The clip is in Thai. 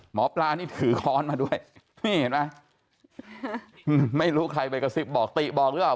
หมอปลานี่ถือค้อนมาด้วยนี่เห็นไหมไม่รู้ใครไปกระซิบบอกติบอกหรือเปล่า